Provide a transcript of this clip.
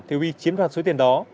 thì we chiếm đoàn số tiền đó